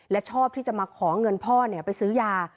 และชอบที่จะมาขอเงินพ่อไปซื้อยา